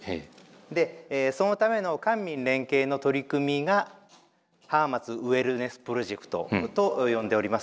でそのための官民連携の取り組みが「浜松ウエルネス・プロジェクト」と呼んでおります。